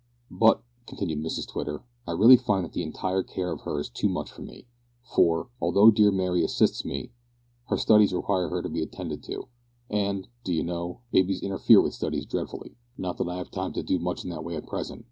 "But," continued Mrs Twitter, "I really find that the entire care of her is too much for me, for, although dear Mary assists me, her studies require to be attended to, and, do you know, babies interfere with studies dreadfully. Not that I have time to do much in that way at present.